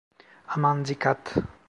Aman dikkat.